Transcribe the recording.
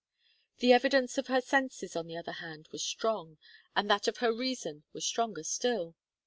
The evidence of her senses, on the other hand, was strong, and that of her reason was stronger still.